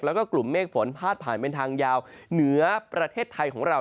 แล้วก็กลุ่มเมฆฝนพาดผ่านเป็นทางยาวเหนือประเทศไทยของเรา